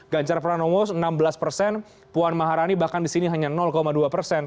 ganjar pranowo enam belas persen puan maharani bahkan di sini hanya dua persen